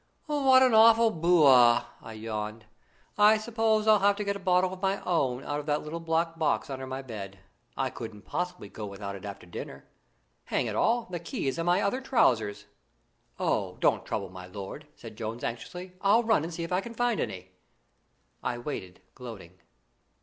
"What an awful bo ah!" I yawned. "I suppose I'll have to get a bottle of my own out of that little black box under my bed. I couldn't possibly go without it after dinner. Hang it all, the key is in my other trousers!" "Oh, don't trouble, my lord," said Jones anxiously. "I'll run and see if I can find any." I waited, gloating.